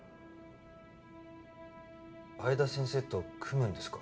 相田先生と組むんですか？